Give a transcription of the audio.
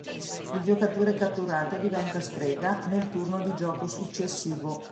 Il giocatore catturato diventa "strega" nel turno di gioco successivo.